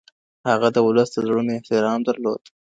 هغه د ولس د زړونو احترام درلود.